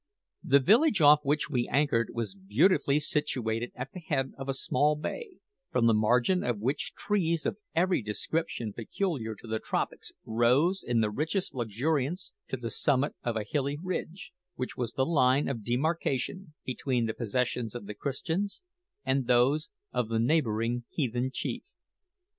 The village off which we anchored was beautifully situated at the head of a small bay, from the margin of which trees of every description peculiar to the tropics rose in the richest luxuriance to the summit of a hilly ridge, which was the line of demarcation between the possessions of the Christians and those of the neighbouring heathen chief.